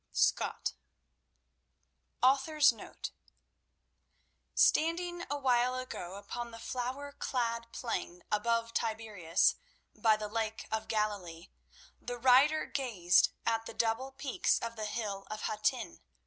_"— Scott AUTHOR'S NOTE: Standing a while ago upon the flower clad plain above Tiberius, by the Lake of Galilee, the writer gazed at the double peaks of the Hill of Hattin.